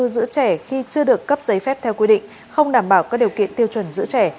giữ trẻ khi chưa được cấp giấy phép theo quy định không đảm bảo các điều kiện tiêu chuẩn giữ trẻ